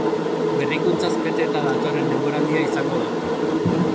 Berrikuntzaz beteta datorren denboraldia izango da.